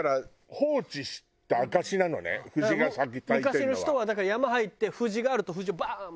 昔の人はだから山入って藤があると藤をバーン！